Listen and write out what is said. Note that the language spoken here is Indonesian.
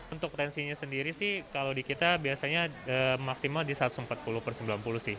untuk tensinya sendiri sih kalau di kita biasanya maksimal di satu ratus empat puluh per sembilan puluh sih